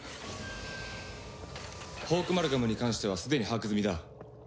ホークマルガムに関してはすでに把握済みだ。